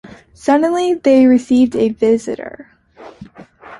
Suddenly, they receive a visitor.